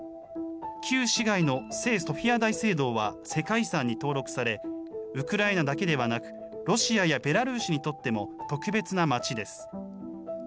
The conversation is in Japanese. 旧市街の聖ソフィア大聖堂は世界遺産に登録され、ウクライナだけではなく、ロシアやベラルーシにとっても特別な街です。